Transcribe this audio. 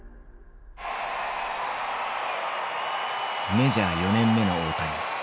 メジャー４年目の大谷。